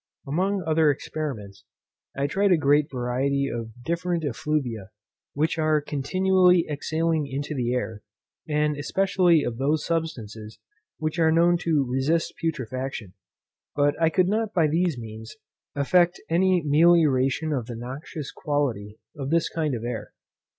Among other experiments, I tried a great variety of different effluvia, which are continually exhaling into the air, especially of those substances which are known to resist putrefaction; but I could not by these means effect any melioration of the noxious quality of this kind of air.